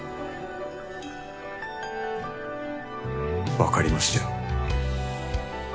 わかりましたよ。